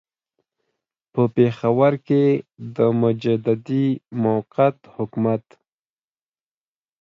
په پېښور کې د مجددي موقت حکومت.